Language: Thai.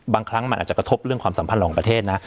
บางครั้งมันอาจจะกระทบเรื่องความสัมพันธ์ของประเทศนะ